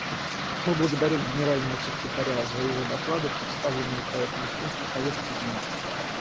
Мы благодарим Генерального секретаря за его доклады, представленные по этому пункту повестки дня.